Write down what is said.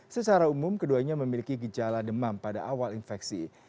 secara umum keduanya memiliki gejala demam pada awal infeksi